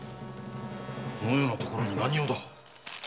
このような所に何用だ？